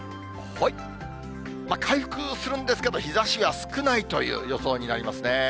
回復するんですけれども、日ざしが少ないという予想になりますね。